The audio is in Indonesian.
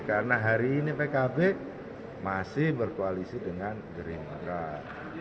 karena hari ini pkb masih berkoalisi dengan gerindra